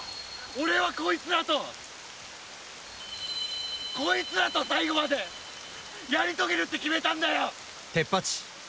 俺はこいつらとこいつらと最後までやり遂げるって決めたんだよ！